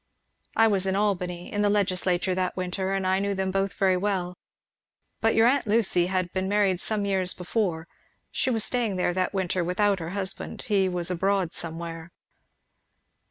I was in Albany, in the legislature, that winter, and I knew them both very well; but your aunt Lucy had been married some years before. She was staying there that winter without her husband he was abroad somewhere."